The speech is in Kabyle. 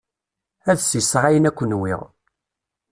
Ad sisseɣ ayen akk nwiɣ.